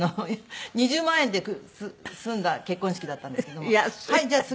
２０万円で済んだ結婚式だったんですけども「はいじゃあ次。